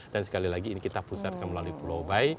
dan sekali lagi ini kita pusatkan melalui pulau bayi